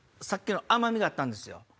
さっきの甘みがあったんですよ。